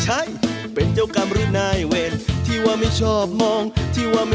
คอยให้ความวุ่นวายวนเวียงทุกวัน